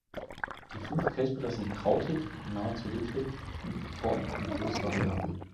Die fünf Kelchblätter sind krautig bis nahezu lederig und in Form und Größe variabel.